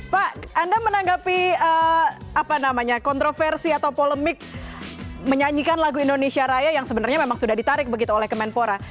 pak anda menanggapi kontroversi atau polemik menyanyikan lagu indonesia raya yang sebenarnya memang sudah ditarik begitu oleh kemenpora